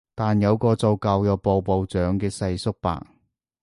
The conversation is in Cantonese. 但有個做教育部部長嘅世叔伯